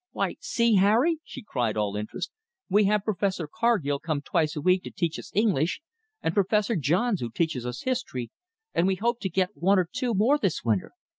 Why see, Harry!" she cried, all interest. "We have Professor Carghill come twice a week to teach us English, and Professor Johns, who teaches us history, and we hope to get one or two more this winter.